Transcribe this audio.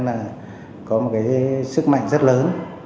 sẽ có một sức mạnh rất lớn